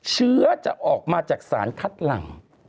เชื้อจะออกมาจากสารคัดหลัง